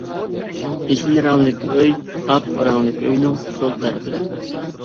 يېشىل رەڭلىك ئۆي ئاق رەڭلىك ئۆينىڭ سول تەرىپىدە.